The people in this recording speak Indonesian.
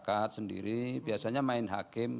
masyarakat sendiri biasanya main hakim